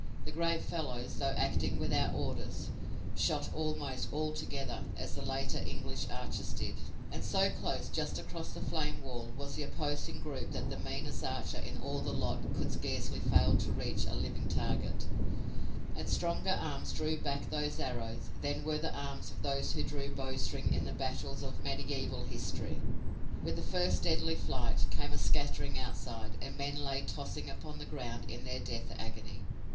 The great fellows, though acting without orders, shot almost "all together," as the later English archers did, and so close just across the flame wall was the opposing group that the meanest archer in all the lot could scarcely fail to reach a living target, and stronger arms drew back those arrows than were the arms of those who drew bowstring in the battles of mediæval history. With the first deadly flight came a scattering outside and men lay tossing upon the ground in their death agony.